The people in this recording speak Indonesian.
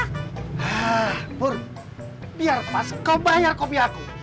hah pur biar pas kau bayar kopi aku